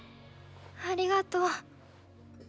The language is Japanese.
ありがと。